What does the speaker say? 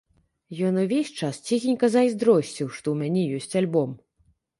Ён увесь час ціхенька зайздросціў, што ў мяне ёсць альбом.